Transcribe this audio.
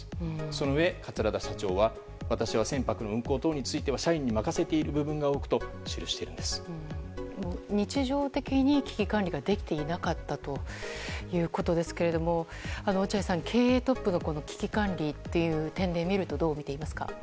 そのうえ、桂田社長は私は船舶の運航等については社員に任せていることが多いと日常的に危機管理ができていなかったということですけど落合さん、経営トップの危機管理という点で見るとどう見ていますか？